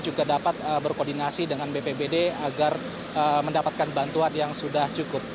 juga dapat berkoordinasi dengan bpbd agar mendapatkan bantuan yang sudah cukup